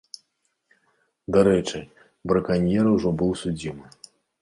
Дарэчы, браканьер ужо быў судзімы.